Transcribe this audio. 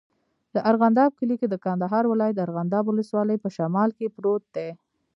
د ارغنداب کلی د کندهار ولایت، ارغنداب ولسوالي په شمال کې پروت دی.